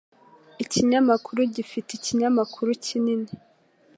Ikinyamakuru gifite ikinyamakuru kinini